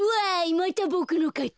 またボクのかち。